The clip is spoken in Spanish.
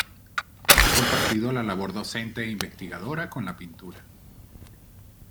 Ha compartido la labor docente e investigadora con la pintura.